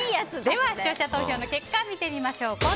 では視聴者投票の結果見てみましょう。